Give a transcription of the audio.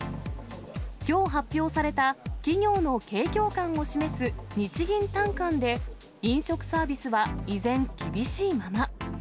きょう発表された企業の景況感を示す日銀短観で飲食サービスは依然、厳しいまま。